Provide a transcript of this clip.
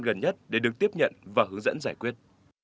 gần nhất để được tiếp nhận và hướng dẫn giải quyết